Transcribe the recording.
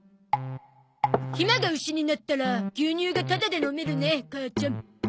ひまが牛になったら牛乳がタダで飲めるね母ちゃん。